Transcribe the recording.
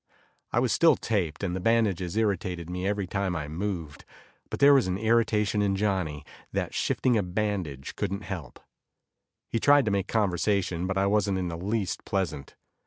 I was still taped, and the bandages irritated me every time I moved. But there was an irritation in Johnny that shifting a bandage couldn't help. He tried to make conversation, but I wasn't in the least pleasant.